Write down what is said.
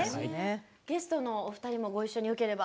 ゲストのお二人もご一緒によければ。